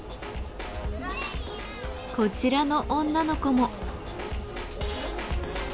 こちらの女の子も。